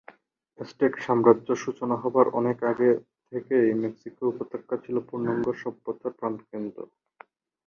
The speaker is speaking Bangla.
আজটেক সাম্রাজ্য সূচনা হবার অনেক আগে থেকেই মেক্সিকো উপত্যকা ছিল পূর্ণাঙ্গ সভ্যতার প্রাণকেন্দ্র।